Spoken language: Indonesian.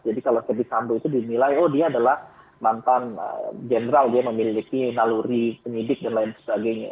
jadi kalau fethi sambo itu dinilai oh dia adalah mantan jenderal dia memiliki naluri penyidik dan lain sebagainya